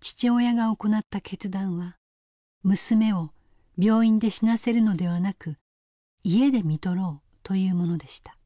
父親が行った決断は娘を病院で死なせるのではなく家で看取ろうというものでした。